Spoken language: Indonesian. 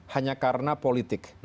hanya karena politik